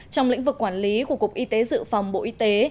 trong lĩnh vực quản lý của cục y tế dự phòng bộ y tế